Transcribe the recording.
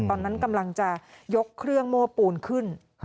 ตอนนั้นกำลังจะยกเครื่องโม้ปูนขึ้น